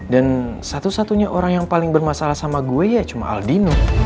dan satu dua nya orang yang paling bermasalah sama gue ya cuma aldino